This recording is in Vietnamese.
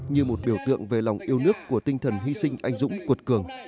như một biểu tượng về lòng yêu nước của tinh thần hy sinh anh dũng quật cường